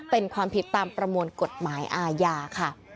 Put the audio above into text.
เป็นความผิดตามประมวลกฎหมายอาญาค่ะ